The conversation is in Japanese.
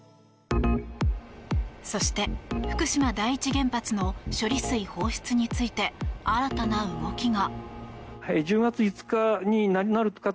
そして、福島第一原発の処理水放出について新たな動きが。